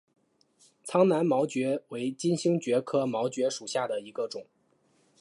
苍南毛蕨为金星蕨科毛蕨属下的一个种。